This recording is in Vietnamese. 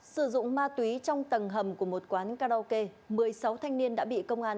sử dụng ma túy trong tầng hầm của một quán karaoke một mươi sáu thanh niên đã bị công an